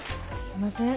すいません。